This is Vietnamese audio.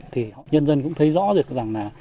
thì nhân dân cũng thấy rõ ràng là